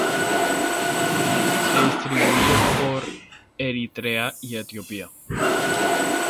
Se distribuye por Eritrea y Etiopía.